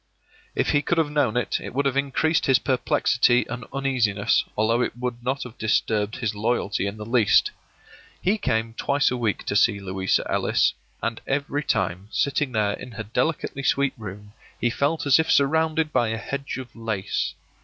If he could have known it, it would have increased his perplexity and uneasiness, although it would not have disturbed his loyalty in the least. He came twice a week to see Louisa Ellis, and every time, sitting there in her delicately sweet room, he felt as if surrounded by a hedge of lace.